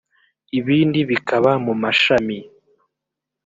ibindi bikaba mu mashami